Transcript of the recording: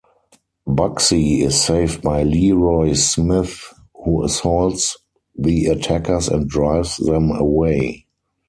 Bugsy is saved by Leroy Smith, who assaults the attackers and drives them away.